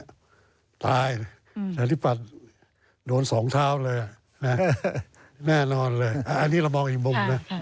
งานที่ปัดโดนสองเท้าเลยแน่นอนเลยอันนี้เรามองอีกมุมนะ